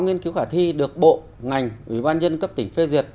nghiên cứu khả thi được bộ ngành ủy ban nhân cấp tỉnh phê duyệt